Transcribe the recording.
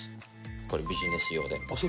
これ、ビジネ日常で。